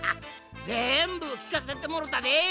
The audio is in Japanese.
ぜんぶきかせてもろたで。